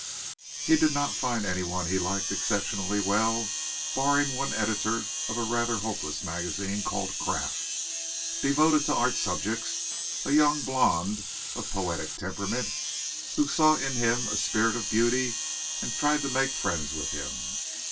He did not find anyone he liked exceptionally well barring one Editor of a rather hopeless magazine called Craft, devoted to art subjects, a young blond, of poetic temperament, who saw in him a spirit of beauty and tried to make friends with him.